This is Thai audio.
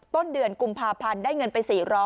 ต้นเดือนกุมภาพันธ์ได้เงินไป๔๐๐